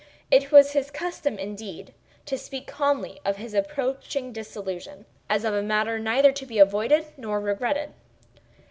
It was his custom, indeed, to speak calmly of his approaching dissolution, as of a matter neither to be avoided nor regretted.